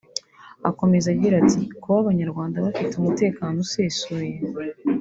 Akomeza agira ati “Kuba Abanyarwanda bafite umutekano usesuye